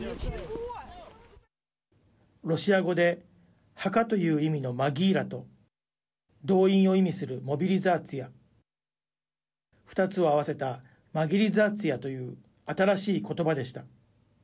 ロシア語で墓という意味のマギーラと動員を意味するモビリザーツィヤ２つを合わせたマギリザーツィヤという新しい言葉でした。